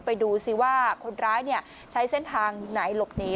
ไปดูซิว่าคนร้ายใช้เส้นทางไหนหลบหนี